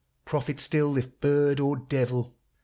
— prophet still if bird or devil